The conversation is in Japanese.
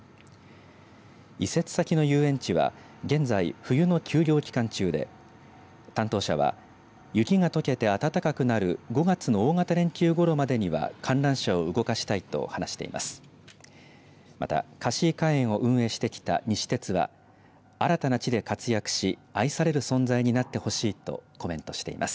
移設先の遊園地は現在冬の休業期間中で担当者は雪がとけて暖かくなる５月の大型連休ごろまでには観覧車を動かしたいと話しています。